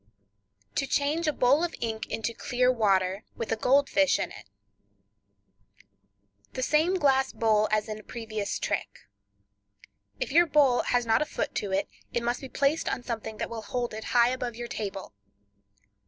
To Change a Bowl of Ink into Clear Water, with Gold Fish in It.—The same glass bowl as in previous trick. If your bowl has not a foot to it, it must be placed on something that will hold it high above your table.